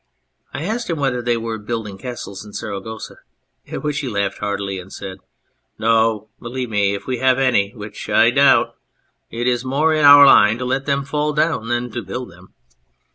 I asked him whether they were building castles in Saragossa, at which he laughed heartily, and said, ' No. Believe me, if we have any (which I doubt) it is more in our line to let them fall down than to build them.'